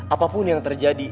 apapun yang terjadi